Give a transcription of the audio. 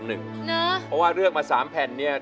เพราะเรียกมา๓แผ่น